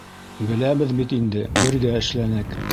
Беләбеҙ бит инде - бергә эшләнек.